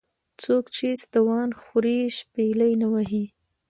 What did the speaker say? ـ څوک چې ستوان خوري شپېلۍ نه وهي .